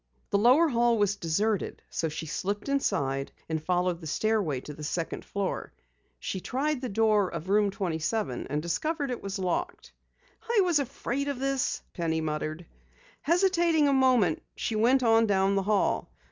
The lower hall was deserted so she slipped inside, and followed the stairway to the second floor. She tried the door of Room 27 and discovered it was locked. "I was afraid of this," Penny muttered. Hesitating a moment she went on down the hall.